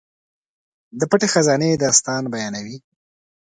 د پټې خزانې داستان بیانوي.